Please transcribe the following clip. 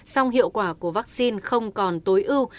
song hiệu quả của vaccine không còn tối ưu